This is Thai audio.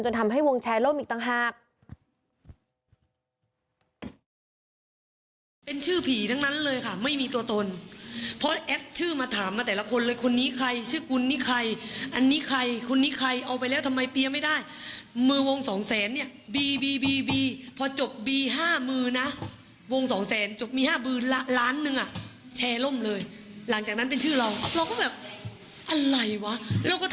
ทำให้วงแชร์ล่มอีกต่างหาก